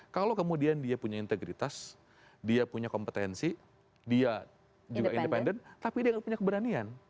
kalau kemudian dia punya integritas dia punya kompetensi dia juga independen tapi dia nggak punya keberanian